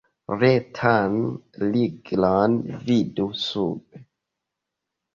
Retan ligilon vidu sube.